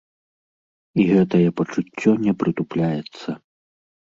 І гэтае пачуццё не прытупляецца.